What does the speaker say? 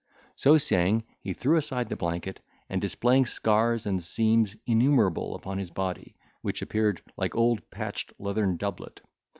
So saying, he threw aside the blanket, and displayed scars and seams innumerable upon his body, which appeared like an old patched leathern doublet.